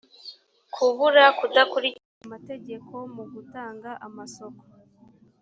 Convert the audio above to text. kubura kudakurikiza amategeko mu gutanga amasoko